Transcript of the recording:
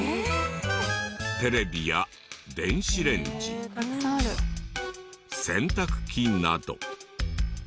テレビや電子レンジ洗濯機など。